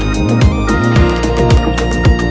di indonesia aja